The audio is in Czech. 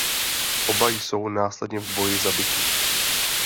Oba jsou následně v boji zabiti.